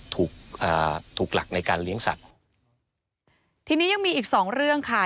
อ่าถูกหลักในการเลี้ยงสัตว์ทีนี้ยังมีอีกสองเรื่องค่ะ